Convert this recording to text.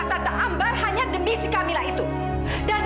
dean this kamilah